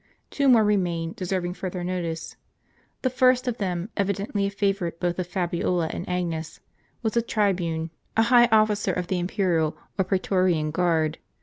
Two more remain, deserving further notice. The first of them, evidently a favorite both with Fabiola and Agnes, was a tribune, a high officer of the imperial or praetorian guard.